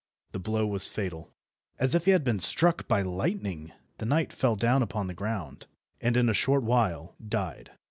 The blow was fatal. As if he had been struck by lightning, the knight fell down upon the ground, and in a short while died.